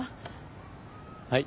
はい。